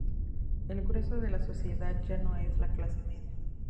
El grueso de la sociedad ya no es la clase media.